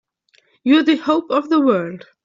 You're the hope of the world!